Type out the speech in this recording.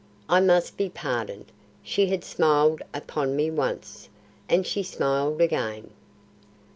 "I must be pardoned. She had smiled upon me once, and she smiled again.